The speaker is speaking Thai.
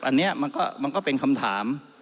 อันนี้มันก็เป็นคำถาม